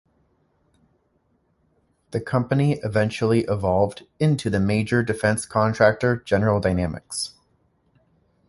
This company eventually evolved into the major defense contractor General Dynamics.